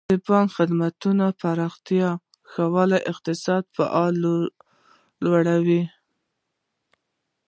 د بانکي خدماتو پراختیا د ښار اقتصادي فعالیت لوړوي.